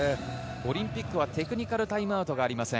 オリンピックはテクニカルタイムアウトがありません。